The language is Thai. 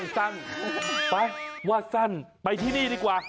เออจังสี่จังสั่งไปว่าสั่นไปที่นี่ดีกว่า